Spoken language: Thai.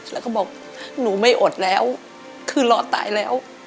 แล้วก็บอกหนูไม่อดแล้วคือรอตายแล้ว